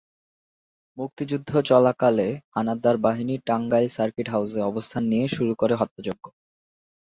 মুক্তিযুদ্ধ চলাকালে হানাদার বাহিনী টাঙ্গাইল সার্কিট হাউসে অবস্থান নিয়ে শুরু করে হত্যাযজ্ঞ।